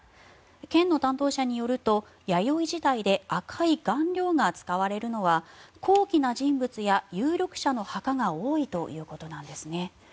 県の担当者によると、弥生時代で赤い顔料が使われるのは高貴な人物や有力者の墓が多いということなんですね。